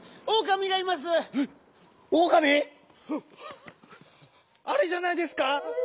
おおかみ⁉あれじゃないですか？